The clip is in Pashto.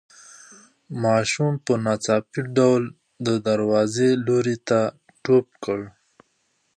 ماشوم په ناڅاپي ډول د دروازې لوري ته ټوپ کړ.